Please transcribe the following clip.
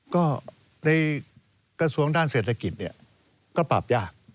ก็ในกระทรวงด้านเศรษฐกิจเนี่ยก็ปรับยาก